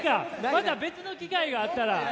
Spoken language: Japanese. また別の機会があったら。